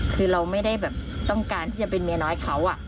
คือเราไม่ได้แบบต้องการที่จะเป็นเมียน้อยเขา